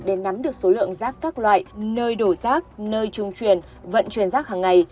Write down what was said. để nắm được số lượng rác các loại nơi đổi rác nơi trung truyền vận truyền rác hàng ngày